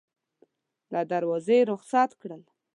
له دروازې یې رخصت کړل.